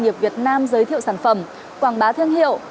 hội trợ hàng việt nam giới thiệu sản phẩm quảng bá thương hiệu